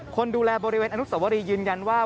คนดูแลบริเวณอนุสวรียืนยันว่า